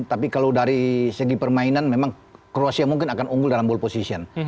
tapi kalau dari segi permainan memang kruasia mungkin akan unggul dalam posisi bola